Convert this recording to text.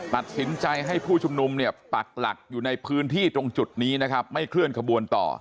ตัดสินใจให้ผู้ชุมนุมเนี่ยปักหลักอยู่ในพื้นที่ตรงจุดนี้นะครับไม่เคลื่อนขบวนต่อ